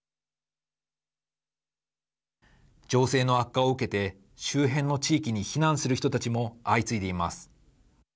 情勢の悪化を受けて周辺の地域に避難する人たちも相次いでいます。